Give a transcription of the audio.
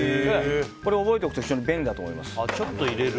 これ覚えておくと非常に便利だと思います。